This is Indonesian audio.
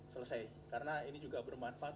selesai karena ini juga bermanfaat